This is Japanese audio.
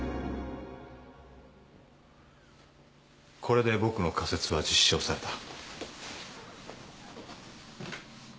・これで僕の仮説は実証された。